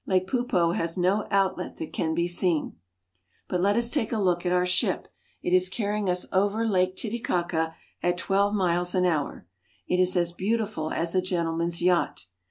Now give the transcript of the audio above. Lake Poopo has no outlet that can be seen. But let us take a look at our ship. It is carrying us over Lake Titicaca at twelve miles an hour. It is as beautiful as a gentleman's yacht.